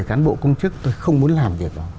các cán bộ công chức tôi không muốn làm việc